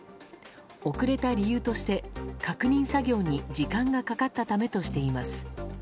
遅れた理由として確認作業に時間がかかったためとしています。